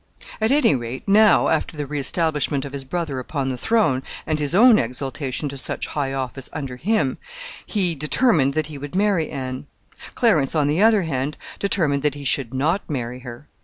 At any rate, now, after the re establishment of his brother upon the throne, and his own exaltation to such high office under him, he determined that he would marry Anne. Clarence, on the other hand, determined that he should not marry her.